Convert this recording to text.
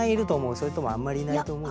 それともあんまりいないと思う？